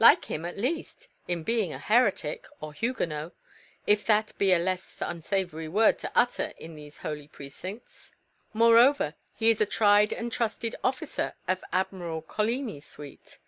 "Like him, at least, in being a heretic, or Huguenot, if that be a less unsavoury word to utter in these holy precincts. Moreover, he is a tried and trusted officer of Admiral Coligny's suite.